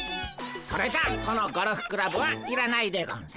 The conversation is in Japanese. それじゃこのゴルフクラブはいらないでゴンス。